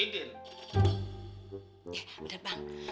iya bener bang